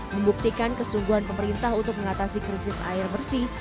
membuktikan kesungguhan pemerintah untuk mengatasi krisis air bersih